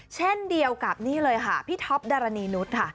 เช่นเดียวกับนี่เลยค่ะพี่ท็อปดารณีนุษย์ค่ะ